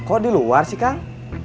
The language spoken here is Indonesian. kok di luar sih kang